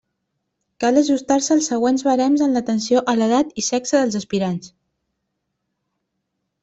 Cal ajustar-se als següents barems en atenció a l'edat i sexe dels aspirants.